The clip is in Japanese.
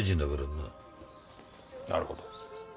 なるほど。